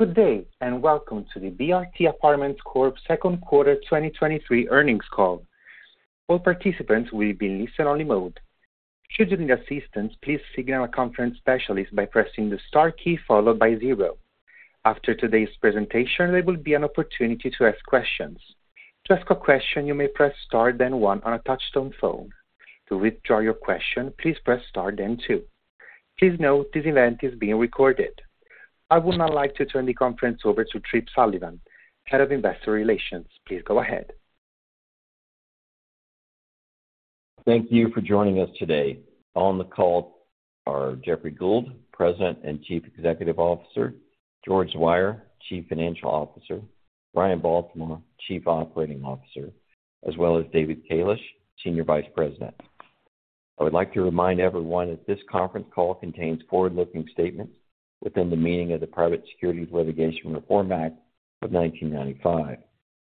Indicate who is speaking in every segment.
Speaker 1: Good day, and welcome to the BRT Apartments Corp. Second Quarter 2023 earnings call. All participants will be in listen-only mode. Should you need assistance, please signal a conference specialist by pressing the Star key followed by Zero. After today's presentation, there will be an opportunity to ask questions. To ask a question, you may press Star, then one on a touchtone phone. To withdraw your question, please press Star, then two. Please note, this event is being recorded. I would now like to turn the conference over to Tripp Sullivan, Head of Investor Relations. Please go ahead.
Speaker 2: Thank you for joining us today. On the call are Jeffrey Gould, President and Chief Executive Officer, George Zweier, Chief Financial Officer, Ryan Baltimore, Chief Operating Officer, as well as David Kalish, Senior Vice President. I would like to remind everyone that this conference call contains forward-looking statements within the meaning of the Private Securities Litigation Reform Act of 1995,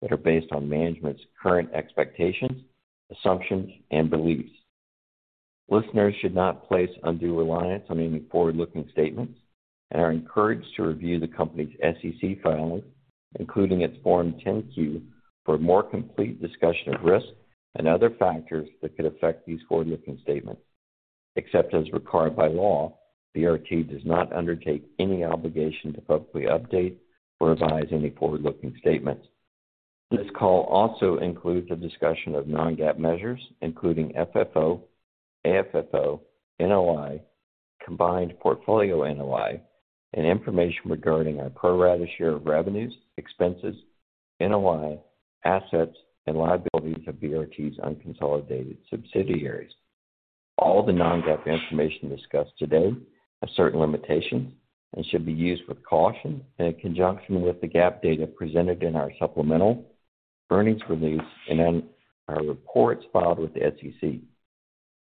Speaker 2: that are based on management's current expectations, assumptions, and beliefs. Listeners should not place undue reliance on any forward-looking statements and are encouraged to review the company's SEC filings, including its Form 10-Q, for a more complete discussion of risks and other factors that could affect these forward-looking statements. Except as required by law, BRT does not undertake any obligation to publicly update or revise any forward-looking statements. This call also includes a discussion of non-GAAP measures, including FFO, AFFO, NOI, Combined Portfolio NOI, and information regarding our pro rata share of revenues, expenses, NOI, assets, and liabilities of BRT's unconsolidated subsidiaries. All the non-GAAP information discussed today have certain limitations and should be used with caution in conjunction with the GAAP data presented in our supplemental earnings release and in our reports filed with the SEC.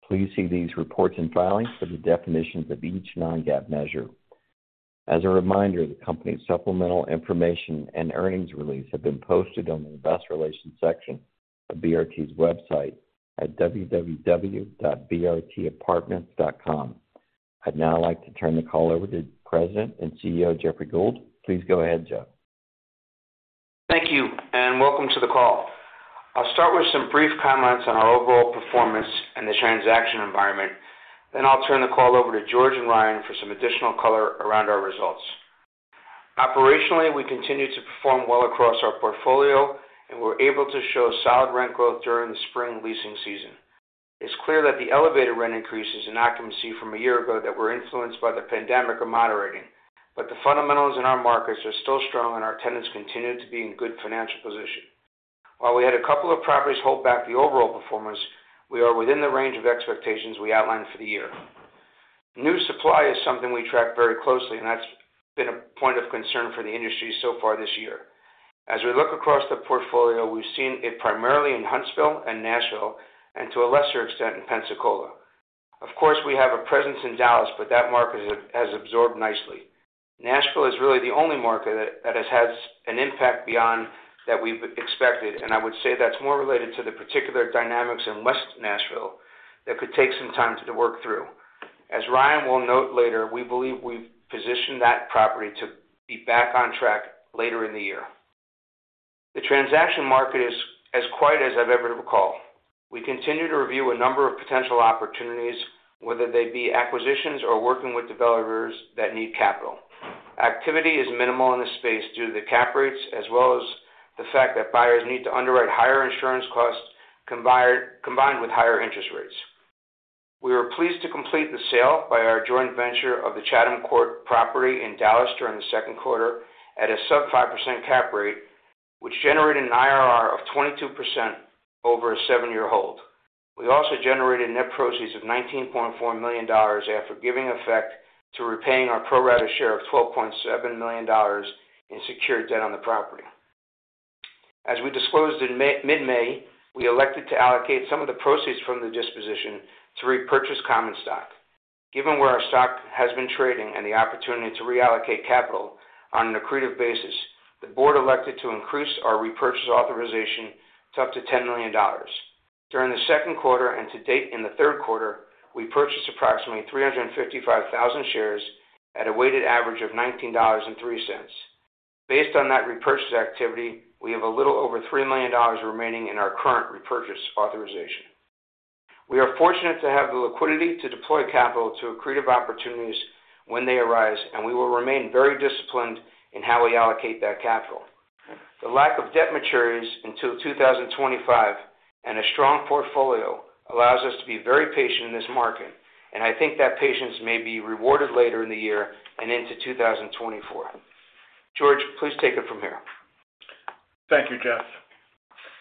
Speaker 2: Please see these reports and filings for the definitions of each non-GAAP measure. As a reminder, the company's supplemental information and earnings release have been posted on the Investor Relations section of BRT's website at www.brtapartments.com. I'd now like to turn the call over to President and CEO, Jeffrey Gould. Please go ahead, Jeff.
Speaker 3: Thank you. Welcome to the call. I'll start with some brief comments on our overall performance and the transaction environment. I'll turn the call over to George and Ryan for some additional color around our results. Operationally, we continue to perform well across our portfolio. We're able to show solid rent growth during the spring leasing season. It's clear that the elevated rent increases in occupancy from a year ago that were influenced by the pandemic are moderating. The fundamentals in our markets are still strong. Our tenants continue to be in good financial position. While we had a couple of properties hold back the overall performance, we are within the range of expectations we outlined for the year. New supply is something we track very closely. That's been a point of concern for the industry so far this year. As we look across the portfolio, we've seen it primarily in Huntsville and Nashville, and to a lesser extent in Pensacola. Of course, we have a presence in Dallas, but that market has absorbed nicely. Nashville is really the only market that has an impact beyond what we've expected, and I would say that's more related to the particular dynamics in West Nashville that could take some time to work through. As Ryan will note later, we believe we've positioned that property to be back on track later in the year. The transaction market is as quiet as I've ever recall. We continue to review a number of potential opportunities, whether they be acquisitions or working with developers that need capital. Activity is minimal in this space due to the cap rates, as well as the fact that buyers need to underwrite higher insurance costs combined, combined with higher interest rates. We were pleased to complete the sale by our joint venture of the Chatham Court property in Dallas during the second quarter at a sub 5% cap rate, which generated an IRR of 22% over a seven year hold. We also generated net proceeds of $19.4 million after giving effect to repaying our pro rata share of $12.7 million in secured debt on the property. As we disclosed in mid-May, we elected to allocate some of the proceeds from the disposition to repurchase common stock. Given where our stock has been trading and the opportunity to reallocate capital on an accretive basis, the board elected to increase our repurchase authorization to up to $10 million. During the second quarter and to date in the third quarter, we purchased approximately 355,000 shares at a weighted average of $19.03. Based on that repurchase activity, we have a little over $3 million remaining in our current repurchase authorization. We are fortunate to have the liquidity to deploy capital to accretive opportunities when they arise, and we will remain very disciplined in how we allocate that capital. The lack of debt maturities until 2025 and a strong portfolio allows us to be very patient in this market, and I think that patience may be rewarded later in the year and into 2024. George, please take it from here.
Speaker 4: Thank you, Jeff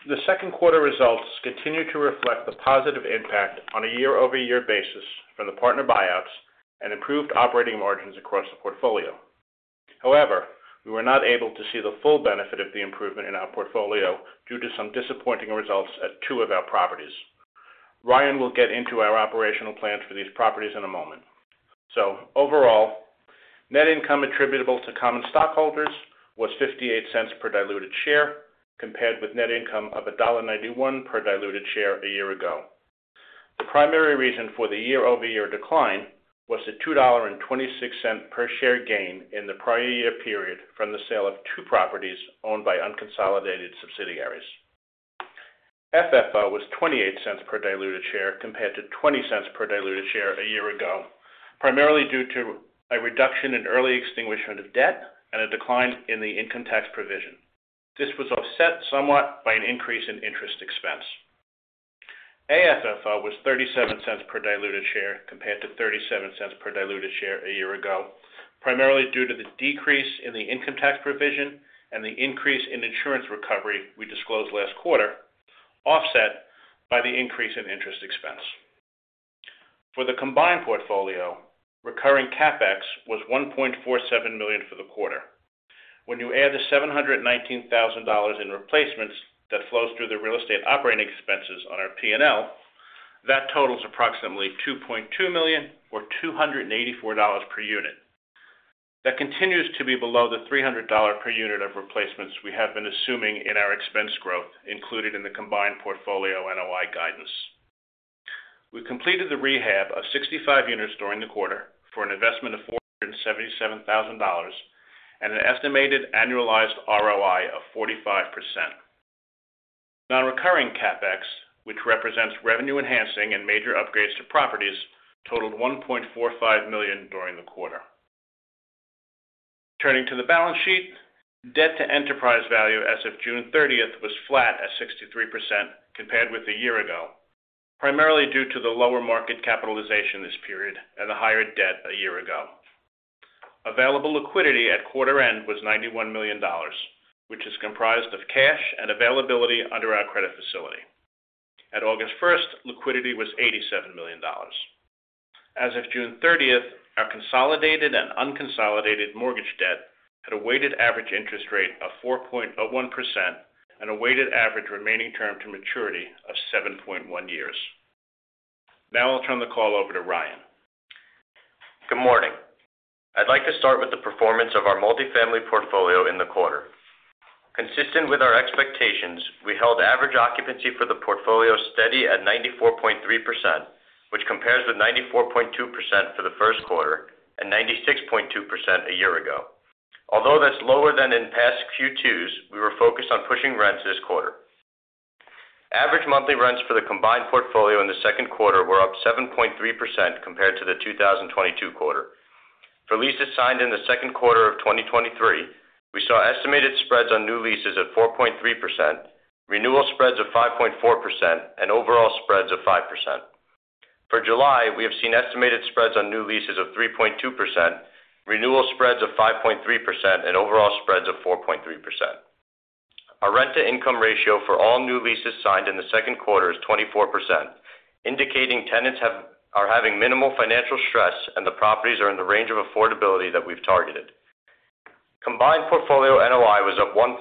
Speaker 4: the second quarter results continue to reflect the positive impact on a year-over-year basis from the partner buyouts and improved operating margins across the portfolio. However, we were not able to see the full benefit of the improvement in our portfolio due to some disappointing results at two of our properties. Ryan will get into our operational plans for these properties in a moment. Overall, net income attributable to common stockholders was $0.58 per diluted share, compared with net income of $1.91 per diluted share a year ago. The primary reason for the year-over-year decline was a $2.26 per share gain in the prior year period from the sale of two properties owned by unconsolidated subsidiaries. FFO was $0.28 per diluted share, compared to $0.20 per diluted share a year ago, primarily due to a reduction in early extinguishment of debt and a decline in the income tax provision. This was offset somewhat by an increase in interest expense. AFFO was $0.37 per diluted share, compared to $0.37 per diluted share a year ago, primarily due to the decrease in the income tax provision and the increase in insurance recovery we disclosed last quarter, offset by the increase in interest expense. For the combined portfolio, recurring CapEx was $1.47 million for the quarter. When you add the $719,000 in replacements that flows through the real estate operating expenses on our PNL, that totals approximately $2.2 million, or $284 per unit. That continues to be below the $300 per unit of replacements we have been assuming in our expense growth, included in the Combined Portfolio NOI guidance. We completed the rehab of 65 units during the quarter for an investment of $477,000 and an estimated annualized ROI of 45%. Non-recurring CapEx, which represents revenue enhancing and major upgrades to properties, totaled $1.45 million during the quarter. Turning to the balance sheet, debt to enterprise value as of June 30th was flat at 63% compared with a year ago, primarily due to the lower market capitalization this period and the higher debt a year ago. Available liquidity at quarter end was $91 million, which is comprised of cash and availability under our credit facility. At August 1st, liquidity was $87 million. As of June thirtieth, our consolidated and unconsolidated mortgage debt had a weighted average interest rate of 4.1% and a weighted average remaining term to maturity of 7.1 years. Now I'll turn the call over to Ryan.
Speaker 5: Good morning, I'd like to start with the performance of our multifamily portfolio in the quarter. Consistent with our expectations, we held average occupancy for the portfolio steady at 94.3%, which compares with 94.2% for the first quarter and 96.2% a year ago. Although that's lower than in past Q2s, we were focused on pushing rents this quarter. Average monthly rents for the combined portfolio in the second quarter were up 7.3% compared to the 2022 quarter. For leases signed in the second quarter of 2023, we saw estimated spreads on new leases at 4.3%, renewal spreads of 5.4%, and overall spreads of 5%. For July, we have seen estimated spreads on new leases of 3.2%, renewal spreads of 5.3%, and overall spreads of 4.3%. Our rent-to-income ratio for all new leases signed in the second quarter is 24%, indicating tenants are having minimal financial stress and the properties are in the range of affordability that we've targeted. Combined Portfolio NOI was up 1.4%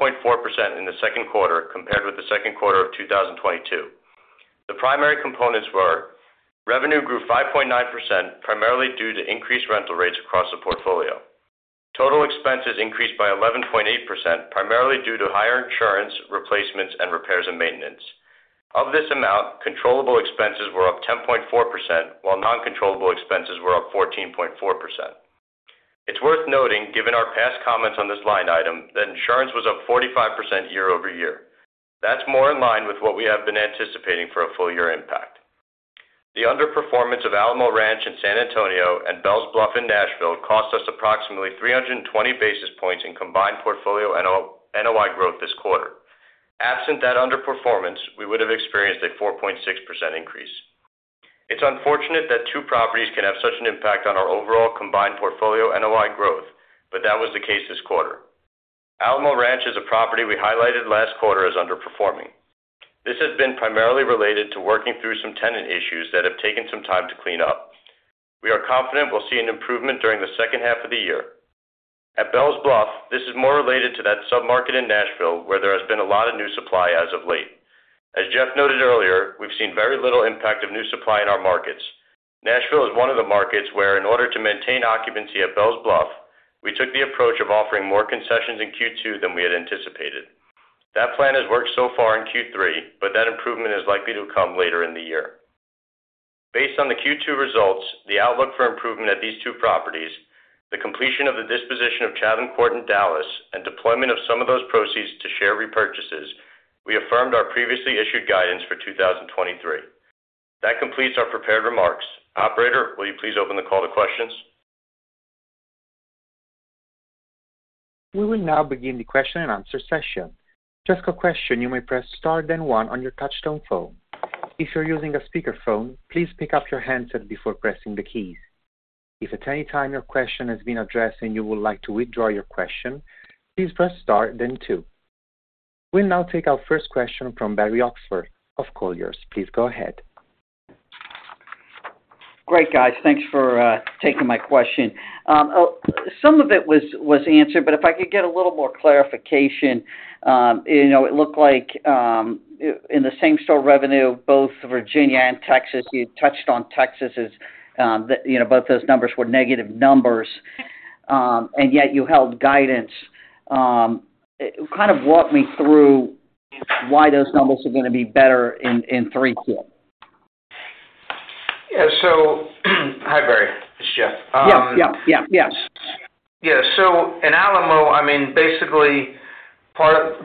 Speaker 5: in the second quarter compared with the second quarter of 2022. The primary components were: revenue grew 5.9%, primarily due to increased rental rates across the portfolio. Total expenses increased by 11.8%, primarily due to higher insurance, replacements, and repairs and maintenance. Of this amount, controllable expenses were up 10.4%, while non-controllable expenses were up 14.4%. It's worth noting, given our past comments on this line item, that insurance was up 45% year-over-year. That's more in line with what we have been anticipating for a full year impact. The underperformance of Alamo Ranch in San Antonio and Bells Bluff in Nashville cost us approximately 320 basis points in Combined Portfolio NOI growth this quarter. Absent that underperformance, we would have experienced a 4.6% increase. It's unfortunate that two properties can have such an impact on our overall Combined Portfolio NOI growth, but that was the case this quarter. Alamo Ranch is a property we highlighted last quarter as underperforming. This has been primarily related to working through some tenant issues that have taken some time to clean up. We are confident we'll see an improvement during the second half of the year. At Bells Bluff, this is more related to that submarket in Nashville, where there has been a lot of new supply as of late. As Jeff noted earlier, we've seen very little impact of new supply in our markets. Nashville is one of the markets where, in order to maintain occupancy at Bells Bluff, we took the approach of offering more concessions in Q2 than we had anticipated. That plan has worked so far in Q3, but that improvement is likely to come later in the year. Based on the Q2 results, the outlook for improvement at these two properties, the completion of the disposition of Chatham Court in Dallas, and deployment of some of those proceeds to share repurchases, we affirmed our previously issued guidance for 2023. That completes our prepared remarks. Operator, will you please open the call to questions?
Speaker 1: We will now begin the question-and-answer session. To ask a question, you may press Star, then One on your touchtone phone. If you're using a speakerphone, please pick up your handset before pressing the keys. If at any time your question has been addressed and you would like to withdraw your question, please press Star, then Two. We'll now take our first question from Barry Oxford of Colliers. Please go ahead.
Speaker 6: Great, guys. Thanks for taking my question. Some of it was, was answered, but if I could get a little more clarification. You know, it looked like in the same-store revenue, both Virginia and Texas, you touched on Texas as, you know, both those numbers were negative numbers. Yet you held guidance. Kind of walk me through why those numbers are going to be better in, in three Q?
Speaker 3: Yeah. hi, Barry it's Jeff.
Speaker 6: Yeah. Yeah. Yes.
Speaker 3: Yeah. So in Alamo, I mean, basically,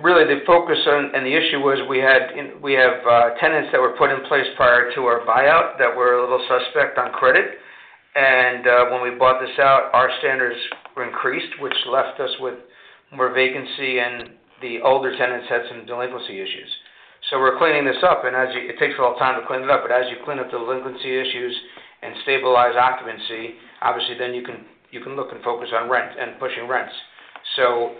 Speaker 3: really, the focus on and the issue was, we had, we have, tenants that were put in place prior to our buyout that were a little suspect on credit. When we bought this out, our standards were increased, which left us with more vacancy, and the older tenants had some delinquency issues. We're cleaning this up, and it takes a little time to clean it up, but as you clean up delinquency issues and stabilize occupancy, obviously, then you can, you can look and focus on rent and pushing rents. You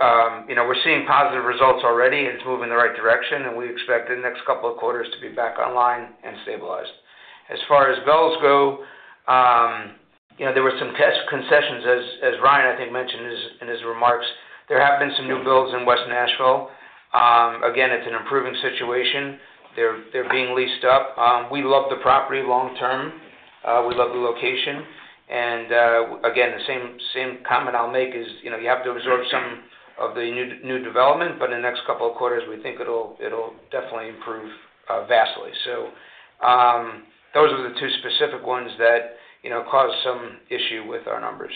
Speaker 3: know, we're seeing positive results already, and it's moving in the right direction, and we expect the next couple of quarters to be back online and stabilized. As far as Bells go, you know, there were some test concessions as, as Ryan, I think, mentioned in his, in his remarks. There have been some new builds in West Nashville. Again, it's an improving situation. They're, they're being leased up. We love the property long term, we love the location, and again, the same comment I'll make is, you know, you have to absorb some of the new, new development, but in the next couple of quarters, we think it'll, definitely improve, vastly. Those are the two specific ones that, you know, caused some issue with our numbers.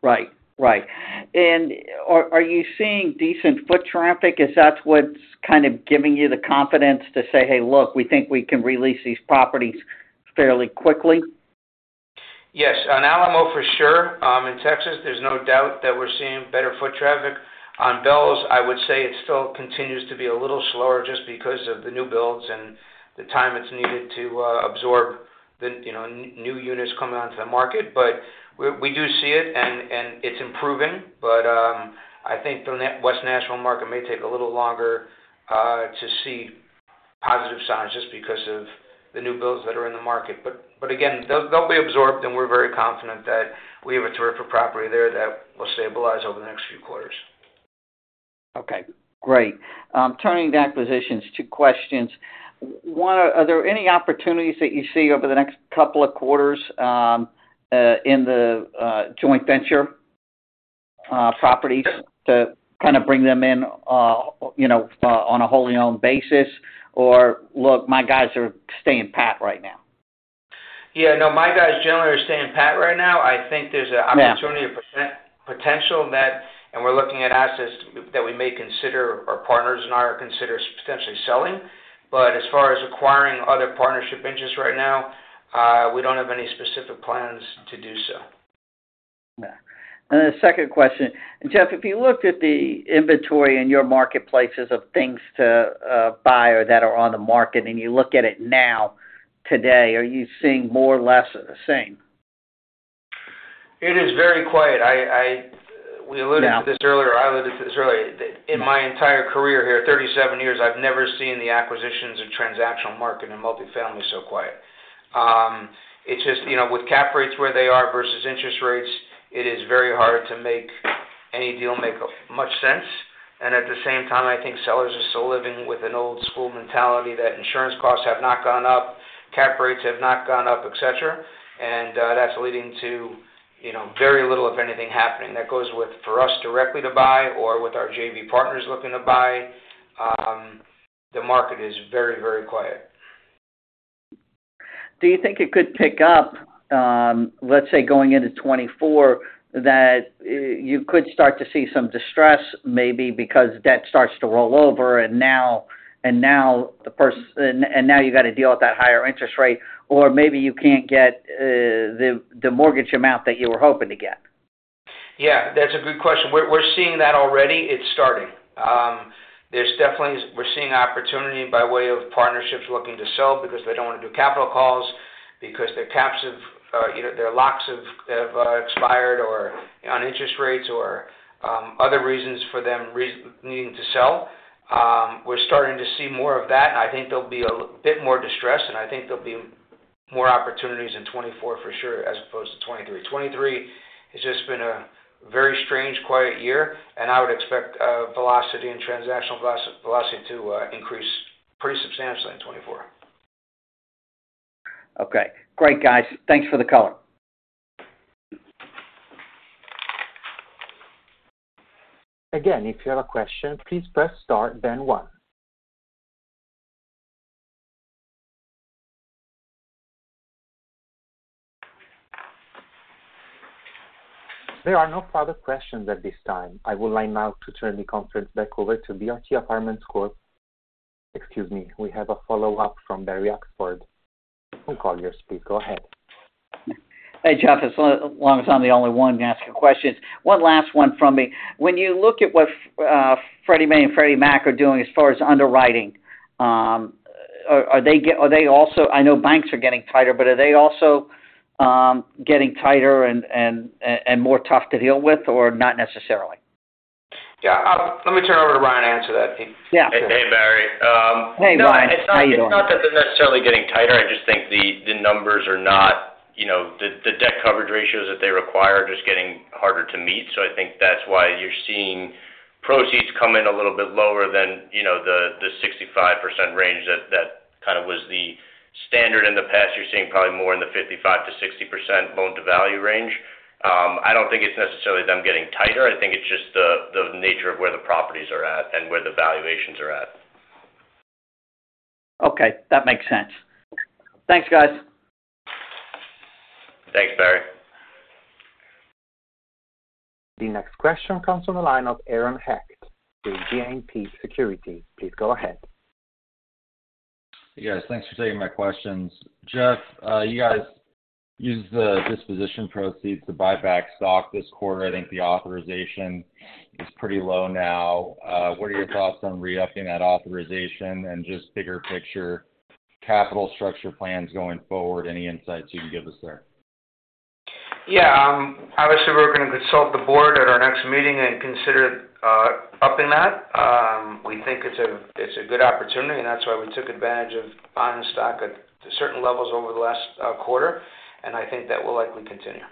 Speaker 6: Right. Right. Are you seeing decent foot traffic? Is that what's kind of giving you the confidence to say, "Hey, look, we think we can re-lease these properties fairly quickly?
Speaker 3: Yes. On Alamo, for sure in Texas, there's no doubt that we're seeing better foot traffic. On Bells, I would say it still continues to be a little slower just because of the new builds and the time it's needed to absorb the, you know, new units coming onto the market. We, we do see it, and, and it's improving. I think the West Nashville market may take a little longer to see positive signs just because of the new builds that are in the market. Again, they'll, they'll be absorbed, and we're very confident that we have a terrific property there that will stabilize over the next few quarters.
Speaker 6: Okay, great. Turning to acquisitions, two questions. One, are there any opportunities that you see over the next couple of quarters, in the joint venture properties, to kind of bring them in, you know, on a wholly owned basis? Or, look, my guys are staying pat right now.
Speaker 3: Yeah, no, my guys generally are staying pat right now. I think there's.
Speaker 6: Yeah
Speaker 3: Opportunity, potential in that, and we're looking at assets that we may consider, or partners and I, are considering potentially selling. As far as acquiring other partnership interests right now, we don't have any specific plans to do so.
Speaker 6: Yeah. Then the second question, Jeff if you looked at the inventory in your marketplaces of things to buy or that are on the market, and you look at it now, today, are you seeing more, less of the same?
Speaker 3: It is very quiet.
Speaker 6: Yeah
Speaker 3: We alluded to this earlier, or I alluded to this earlier. That in my entire career here, 37 years, I've never seen the acquisitions and transactional market in multifamily so quiet. It's just, you know, with cap rates where they are versus interest rates, it is very hard to make any deal make much sense. At the same time, I think sellers are still living with an old-school mentality that insurance costs have not gone up, cap rates have not gone up, et cetera. That's leading to, you know, very little of anything happening. That goes with, for us directly to buy or with our JV partners looking to buy, the market is very, very quiet.
Speaker 6: Do you think it could pick up, let's say, going into 2024, that, you could start to see some distress, maybe because debt starts to roll over, and now you got to deal with that higher interest rate, or maybe you can't get, the, the mortgage amount that you were hoping to get?
Speaker 3: Yeah, that's a good question. We're, we're seeing that already. It's starting. There's definitely, we're seeing opportunity by way of partnerships looking to sell because they don't want to do capital calls, because their caps have, you know, their locks have, have, expired or on interest rates or, other reasons for them needing to sell. We're starting to see more of that, and I think there'll be a bit more distress, and I think there'll be more opportunities in 2024 for sure, as opposed to 2023. 2023, it's just been a very strange, quiet year, and I would expect, velocity and transactional velocity to increase pretty substantially in 2024.
Speaker 6: Okay. Great, guys. Thanks for the color.
Speaker 1: Again, if you have a question, please press Star, then One. There are no further questions at this time. I would like now to turn the conference back over to BRT Apartments Corp. Excuse me, we have a follow-up from Barry Oxford. Your call is free, go ahead.
Speaker 6: Hey, Jeff, as long as I'm the only one asking questions, one last one from me. When you look at what Fannie Mae and Freddie Mac are doing as far as underwriting, are they also-- I know banks are getting tighter, but are they also, getting tighter and, and, and more tough to deal with, or not necessarily?
Speaker 3: Yeah, let me turn over to Ryan to answer that, please.
Speaker 6: Yeah.
Speaker 5: Hey, Barry.
Speaker 6: Hey, Ryan. How are you doing?
Speaker 5: It's not that they're necessarily getting tighter. I just think the, the numbers are not, you know, the, the debt coverage ratios that they require are just getting. Harder to meet. I think that's why you're seeing proceeds come in a little bit lower than, you know, the, the 65% range that, that kind of was the standard in the past. You're seeing probably more in the 55%-60% loan to value range. I don't think it's necessarily them getting tighter. I think it's just the, the nature of where the properties are at and where the valuations are at.
Speaker 6: Okay, that makes sense. Thanks, guys.
Speaker 5: Thanks, Barry.
Speaker 1: The next question comes from the line of Aaron Hecht with JMP Securities. Please go ahead.
Speaker 7: Yes, thanks for taking my questions Jeff, you guys used the disposition proceeds to buy back stock this quarter. I think the authorization is pretty low now. What are your thoughts on re-upping that authorization? Just bigger picture, capital structure plans going forward, any insights you can give us there?
Speaker 3: Yeah, obviously, we're gonna consult the board at our next meeting and consider upping that. We think it's a good opportunity, and that's why we took advantage of buying the stock at certain levels over the last quarter, and I think that will likely continue.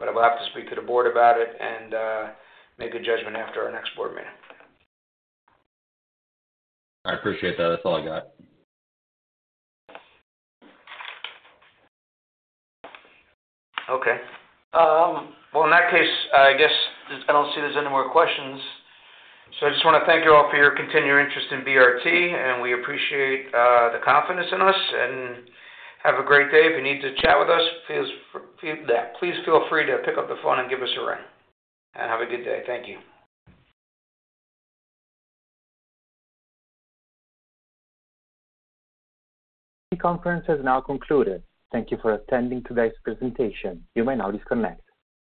Speaker 3: I will have to speak to the board about it and make a judgment after our next board meeting.
Speaker 7: I appreciate that. That's all I got.
Speaker 3: Okay. Well, in that case, I guess I don't see there's any more questions. I just want to thank you all for your continued interest in BRT. We appreciate the confidence in us. Have a great day. If you need to chat with us, please feel free to pick up the phone and give us a ring. Have a good day. Thank you.
Speaker 1: The conference has now concluded. Thank you for attending today's presentation. You may now disconnect.